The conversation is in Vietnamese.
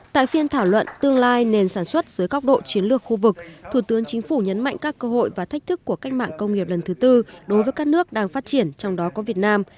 tại phiên thảo luận tương lai nền sản xuất dưới góc độ chiến lược khu vực thủ tướng chính phủ nhấn mạnh các cơ hội và thách thức của cách mạng công nghiệp lần thứ tư đối với các nước đang phát triển trong đó có việt nam